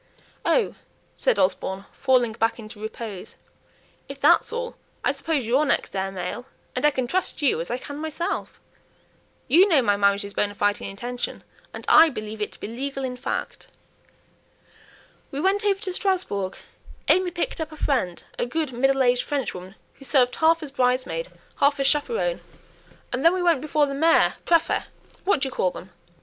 "Oh!" said Osborne, falling back into repose, "if that's all, I suppose you're next heir male, and I can trust you as I can myself. You know my marriage is bonë fide in intention, and I believe it to be legal in fact. We went over to Strasbourg; AimÄe picked up a friend a good middle aged Frenchwoman who served half as bridesmaid, half as chaperone, and then we went before the mayor prÄfet what do you call them?